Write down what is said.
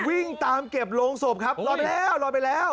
วิ่งตามเก็บโลงศพครับหลอนไปแล้ว